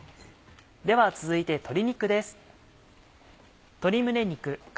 では続いて鶏肉です。